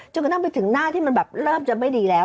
กระทั่งไปถึงหน้าที่มันแบบเริ่มจะไม่ดีแล้ว